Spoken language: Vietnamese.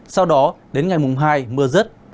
sau đó đến ngày mùng hai mưa rứt